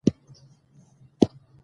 په نصیب یې وي مېلې د جنتونو